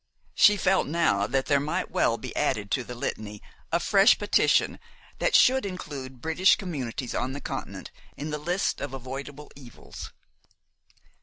She felt now that there might well be added to the Litany a fresh petition which should include British communities on the Continent in the list of avoidable evils.